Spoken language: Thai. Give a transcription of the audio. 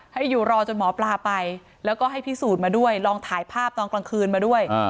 ให้อยู่รอจนหมอปลาไปแล้วก็ให้พิสูจน์มาด้วยลองถ่ายภาพตอนกลางคืนมาด้วย